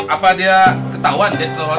apa dia ketahuan